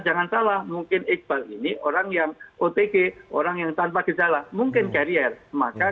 jangan salah mungkin iqbal ini orang yang otg orang yang tanpa gejala mungkin carrier maka